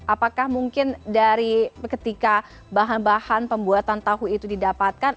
apakah mungkin dari ketika bahan bahan pembuatan tahu itu didapatkan